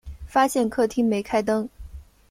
发现客厅没开灯